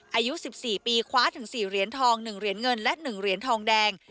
อายุ๑๔ปีคว้าถึง๔เหรียญทอง๑เหรียญเงินและ๑เหรียญทองแดง